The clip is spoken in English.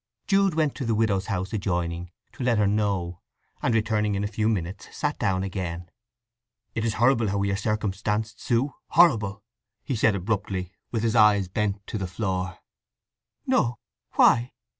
Jude went to the widow's house adjoining, to let her know; and returning in a few minutes sat down again. "It is horrible how we are circumstanced, Sue—horrible!" he said abruptly, with his eyes bent to the floor. "No! Why?"